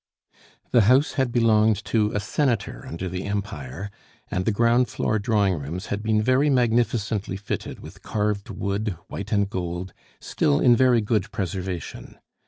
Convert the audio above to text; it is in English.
The house had belonged to a senator under the Empire, and the ground floor drawing rooms had been very magnificently fitted with carved wood, white and gold, still in very good preservation.